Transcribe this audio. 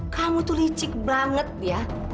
kamu tuh licik banget ya